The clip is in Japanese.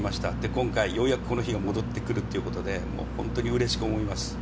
今回、ようやくこの日が戻ってくるということで、本当にうれしく思います。